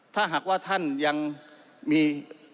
ถ้าหากว่าท่านยังมี